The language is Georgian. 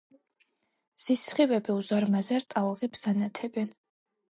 მზის სხივები უზარმაზარ ტალღებს ანათებენ.